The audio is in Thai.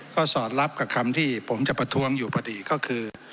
ก็สอดรับกับคำที่ผมจะประท้วงอยู่พอดีก็คือ